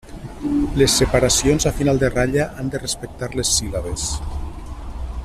Les separacions a final de ratlla han de respectar les síl·labes.